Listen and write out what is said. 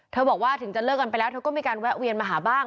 บอกว่าถึงจะเลิกกันไปแล้วเธอก็มีการแวะเวียนมาหาบ้าง